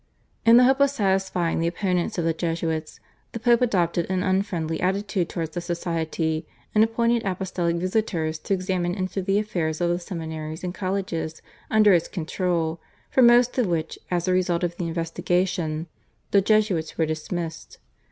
In the hope of satisfying the opponents of the Jesuits the Pope adopted an unfriendly attitude towards the Society, and appointed apostolic visitors to examine into the affairs of the seminaries and colleges under its control, from most of which, as a result of the investigation, the Jesuits were dismissed.